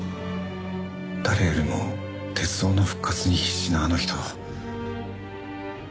誰よりも鉄道の復活に必死なあの人を。